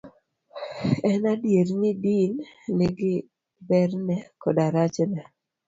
En adier ni din nigi berne koda rachne.